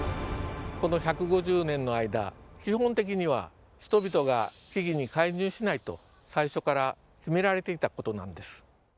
この１５０年の間基本的には人々が木々に介入しないと最初から決められていたことなんです。